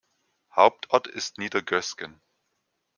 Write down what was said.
Hauptort ist Niedergösgen.